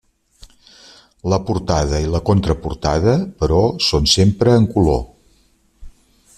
La portada i la contraportada, però, són sempre en color.